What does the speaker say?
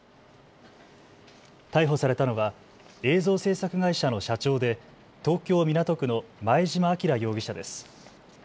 逮捕されたのは映像制作会社の社長で東京港区の前嶋輝容疑者です。